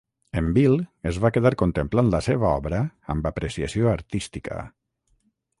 En Bill es va quedar contemplant la seva obra amb apreciació artística.